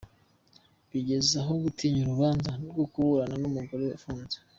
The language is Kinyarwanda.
Bigeze aho gutinya urubanza rwo kuburana n’umugore ufunze?